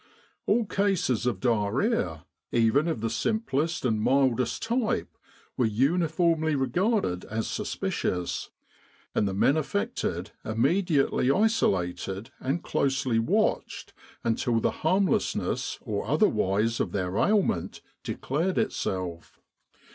All cases of diarrhoea, even of the simplest and mildest With the R.A.M.C. in Egypt type, were uniformly regarded as suspicious, and the men affected immediately isolated and closely watched until the harmlessness or otherwise of their ailment declared itself.